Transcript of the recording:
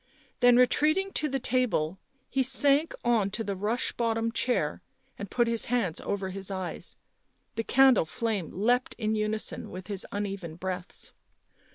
Then retreating to the table he sank on to the rush bottom chair, and put his hands over his eyes ; the candle flame leapt in unison with his uneven breaths.